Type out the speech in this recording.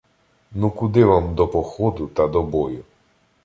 Ну куди вам до походу та до бою?!